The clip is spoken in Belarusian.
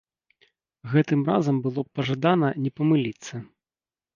Гэтым разам было б пажадана не памыліцца.